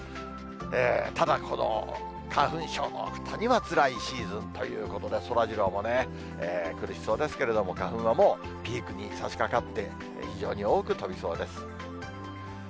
ただ、花粉症の方にはつらいシーズンということで、そらジローもね、苦しそうですけれども、花粉はもうピークにさしかかって、非常に多く飛びそうです。